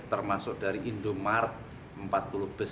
termasuk dari indomart empat puluh bus